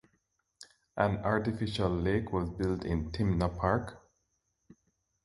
An artificial lake was built in Timna Park.